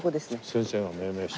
先生が命名した。